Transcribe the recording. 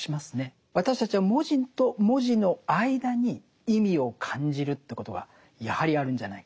私たちは文字と文字の間に意味を感じるということはやはりあるんじゃないか。